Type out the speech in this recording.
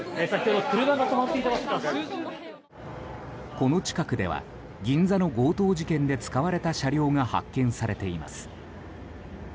この近くでは銀座の強盗事件で使われた車両が発見されています。